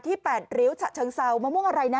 ที่แปดริ้วชะเชิงเซามะม่วงอะไรนะ